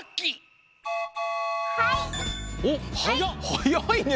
はやいね。